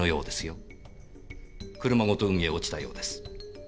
車ごと海へ落ちたようです。